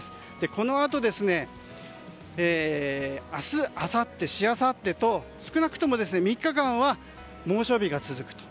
このあと明日、あさって、しあさってと少なくとも３日間は猛暑日が続くと。